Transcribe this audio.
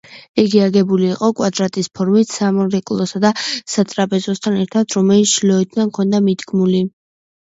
იგი აგებული იყო კვადრატის ფორმით, სამრეკლოსა და სატრაპეზოსთან ერთად, რომელიც ჩრდილოეთიდან ჰქონდა მიდგმული.